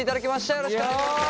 よろしくお願いします。